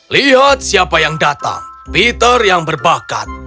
lihat siapa yang datang peter yang berbakat